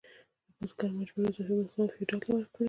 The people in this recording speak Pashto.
بزګر مجبور و اضافي محصولات فیوډال ته ورکړي.